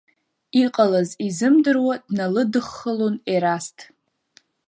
Иҟалаз изымдыруа дналыдххылон Ерасҭ.